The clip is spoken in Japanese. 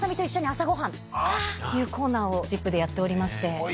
というコーナーを『ＺＩＰ！』でやっておりまして。